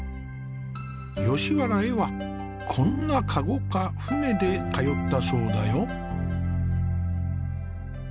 吉原へはこんな駕籠か舟で通ったそうだよ。